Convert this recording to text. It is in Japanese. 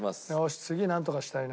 次なんとかしたいな。